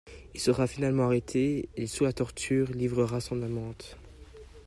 Il sera finalement arrêté et sous la torture, livrera son amante.